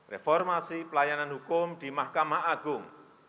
reformasi pelayanan hukum di mahkamah agung